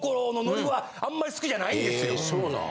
えそうなん？